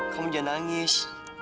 kamu jangan nangis